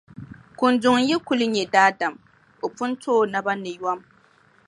Kunduŋ yi kuli nya daadam, o pun to o naba ni yom.